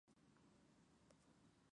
Por doquier encontramos restos románicos.